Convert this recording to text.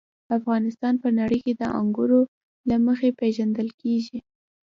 افغانستان په نړۍ کې د انګورو له مخې پېژندل کېږي.